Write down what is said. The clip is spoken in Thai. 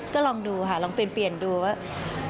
ก็ลองดูค่ะลองเปลี่ยนดูว่า